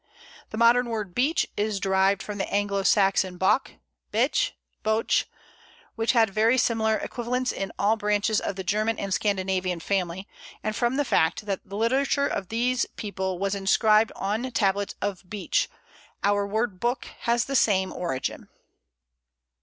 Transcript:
The modern word Beech is derived from the Anglo Saxon boc, bece, beoce, which had very similar equivalents in all branches of the German and Scandinavian family, and from the fact that the literature of these people was inscribed on tablets of Beech, our word book has the same origin.